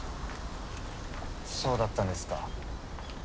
そうだったんですか。